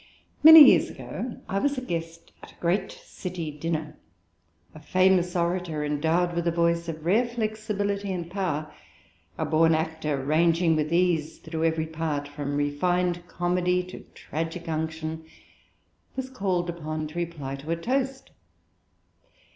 Many years ago, I was a guest at a great City dinner. A famous orator, endowed with a voice of rare flexibility and power; a born actor, ranging with ease through every part, from refined comedy to tragic unction, was called upon to reply to a toast.